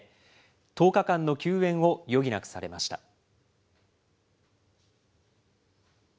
１０日間の休園を余儀なくされました。